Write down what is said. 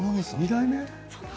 ２代目？